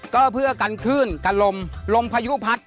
ก็เพื่อกันขึ้นกันลมลมพายุพัด